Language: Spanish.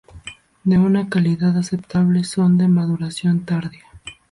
De una calidad aceptable, son de maduración tardía.